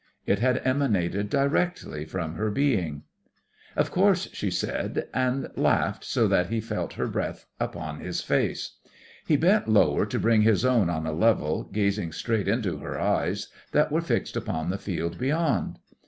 It had emanated directly from her being. "Of course," she said, and laughed so that he felt her breath upon his face. He bent lower to bring his own on a level, gazing straight into her eyes that were fixed upon the field beyond.